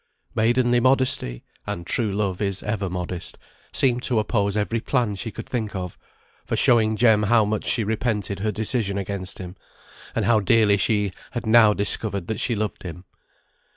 Maidenly modesty (and true love is ever modest) seemed to oppose every plan she could think of, for showing Jem how much she repented her decision against him, and how dearly she had now discovered that she loved him.